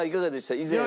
以前は。